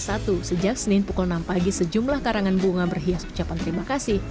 sejak senin pukul enam pagi sejumlah karangan bunga berhias ucapan terima kasih